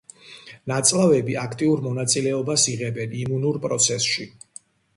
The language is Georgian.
ნაწლავები აქტიურ მონაწილეობას იღებენ იმუნურ პროცესებში.